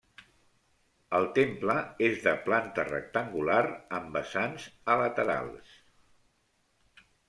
El temple és de planta rectangular amb vessants a laterals.